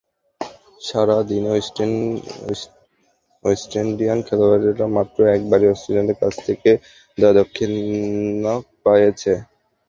সারা দিনে West Indian খেলোয়াড়েরা মাত্র একবারই অস্ট্রেলীয়দের কাছ থেকে দয়াদাক্ষিণ্য পেয়েছে।